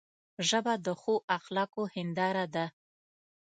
ژبه د ښو اخلاقو هنداره ده